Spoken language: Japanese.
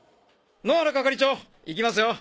野原係長行きますよ。